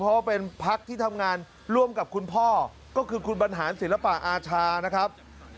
เพราะว่าเป็นพักที่ทำงานร่วมกับคุณพ่อก็คือคุณบรรหารศิลปะอาชานะครับ